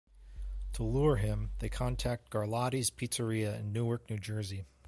To lure him, they contact Garlotti's Pizzeria in Newark, New Jersey.